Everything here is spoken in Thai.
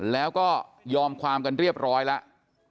แล้วก็ยอมความกันเรียบร้อยแล้ว